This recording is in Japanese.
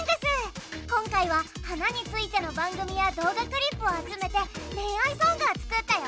今回は花についての番組や動画クリップを集めて恋愛ソングを作ったよ。